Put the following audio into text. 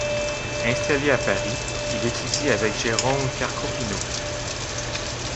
Installé à Paris, il étudie avec Jérôme Carcopino.